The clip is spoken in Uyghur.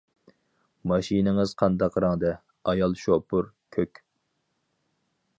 ماشىنىڭىز قانداق رەڭدە؟ ئايال شوپۇر: كۆك.